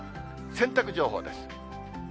洗濯情報です。